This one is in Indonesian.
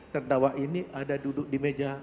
terdakwa ini ada duduk di meja